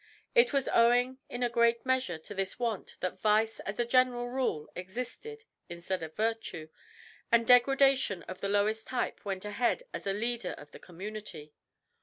It was owing in a great measure to this want that vice as a general rule existed instead of virtue, and degradation of the lowest type went ahead as a leader of the community.